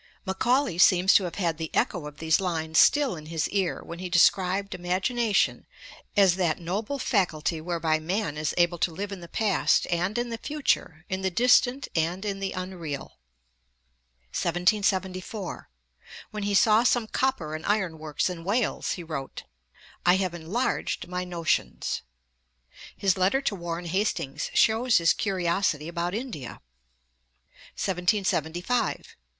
Macaulay seems to have had the echo of these lines still in his ear, when he described imagination as 'that noble faculty whereby man is able to live in the past and in the future, in the distant and in the unreal.' Essays, ed. 1853, iii. 167. 1774. When he saw some copper and iron works in Wales he wrote: 'I have enlarged my notions.' Post, v. 442. See also ante, iii. 164. His letter to Warren Hastings shows his curiosity about India. Ante, iv. 68. 1775.